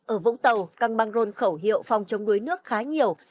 ở vũng tàu căng băng rôn khẩu hiệu phòng chống đuối nước khá nhiều